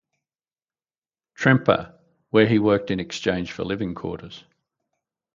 Tremper, where he worked in exchange for living quarters.